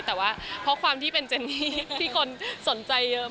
แต่ว่าเพราะความที่เป็นเจนนี่ที่คนสนใจเยอะ